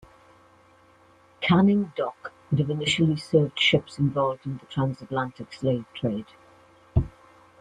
Canning Dock would have initially served ships involved in the trans Atlantic slave trade.